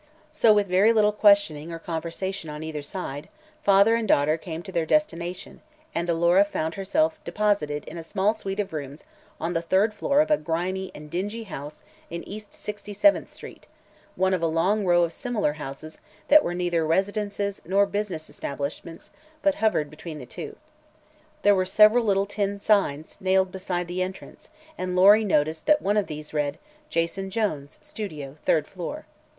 So, with very little questioning or conversation on either side, father and daughter came to their destination and Alora found herself deposited in a small suite of rooms on the third floor of a grimy and dingy house in East Sixty seventh Street one of a long row of similar houses that were neither residences nor business establishments, but hovered between the two. There were several little tin signs nailed beside the entrance and Lory noticed that one of these read: "Jason Jones. Studio. 3rd Floor."